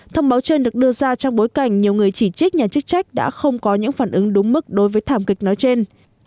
thông báo trên được đưa ra trong bối cảnh nhiều người chỉ trích nhà chức trách đã không có những phản ứng đúng mức đối với thảm kịch nói trên